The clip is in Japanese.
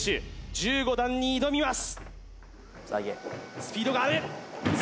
１５段に挑みます